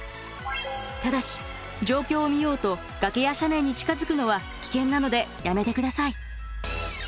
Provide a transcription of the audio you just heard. ただし状況を見ようとがけや斜面に近づくのは危険なのでやめて下さい。